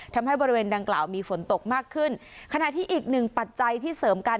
ทำให้บริเวณดังกล่าวมีฝนตกมากขึ้นขณะที่อีกหนึ่งปัจจัยที่เสริมกัน